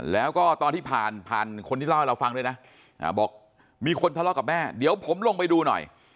แล้วก็ตอนที่ผ่านผ่านคนที่เล่าให้เราฟังด้วยนะบอกมีคนทะเลาะกับแม่เดี๋ยวผมลงไปดูหน่อย